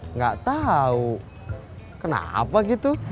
enggak tahu kenapa gitu